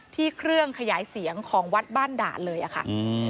เครื่องขยายเสียงของวัดบ้านด่านเลยอะค่ะ